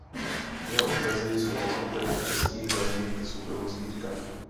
Jeho obrazy jsou zastoupeny v českých galeriích i soukromých sbírkách.